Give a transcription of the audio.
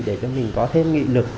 để cho mình có thêm nghị lực